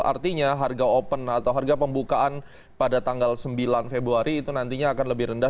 artinya harga open atau harga pembukaan pada tanggal sembilan februari itu nantinya akan lebih rendah